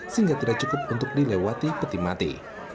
sehingga tidak cukup untuk dilewati peti mati